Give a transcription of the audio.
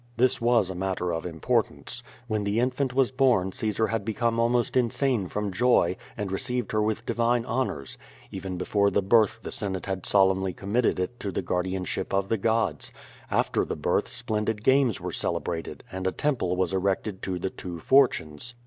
This was a matter of importance. When the infant was bom Caesar had became almost insane from joy and received her with divine honors. Even before the birth the Senate had solemnly committed it to the guardianship of the gods. After the birth splendid games were celebrated and a temple was erected to the two Fortunes.